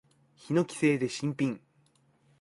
ヒノキ製で新品。